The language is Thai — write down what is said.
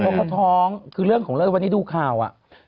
เพราะเขาท้องคือเรื่องของเลิกวันนี้ดูข่าวอ่ะ